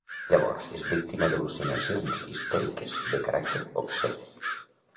Llavors és víctima d'al·lucinacions histèriques, de caràcter obscè.